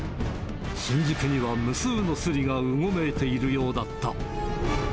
新宿には無数のすりがうごめいているようだった。